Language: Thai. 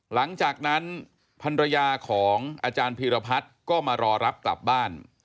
หลังจากนั้นพันรยาของอาจารย์พีรพัฒน์ก็มารอรับกลับบ้าน